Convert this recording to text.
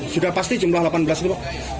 sudah pasti jumlah delapan belas pulau